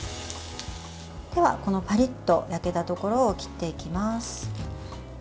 このパリッと焼けたところを切っていきます。